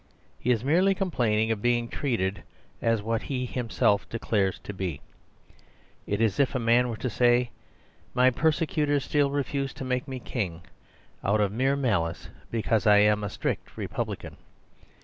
He is merely complaining of being treated as what he declares himself to be. It is as if a man were to say, "My persecutors still refuse to make me king, out of mere malice because I | am a strict republican."